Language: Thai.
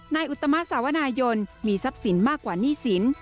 อุตมะสาวนายนมีทรัพย์สินมากกว่าหนี้สิน